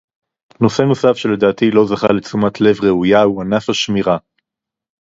נושא נוסף שלדעתי לא זכה לתשומת לב ראויה הוא ענף השמירה